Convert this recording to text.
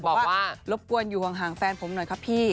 บอกว่ารบกวนอยู่ห่างแฟนผมหน่อยครับพี่